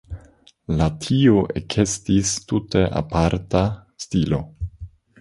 Per tio ekestis tute aparta stilo.